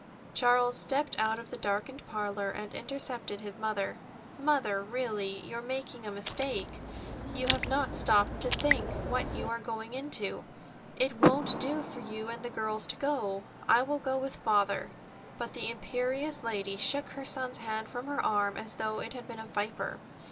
Charles stepped out of the darkened parlor and intercepted his mother. "Mother, really, you're making a mistake. You have not stopped to think what you are going into. It won't do for you and the girls to go. I will go with father——" But the imperious lady shook her son's hand from her arm as though it had been a viper.